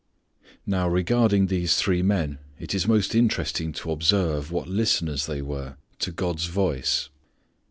Now regarding these men it is most interesting to observe what listeners they were to God's voice.